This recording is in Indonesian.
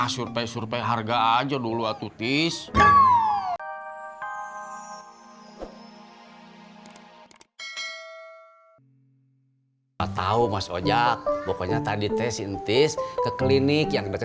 sampai jumpa di video selanjutnya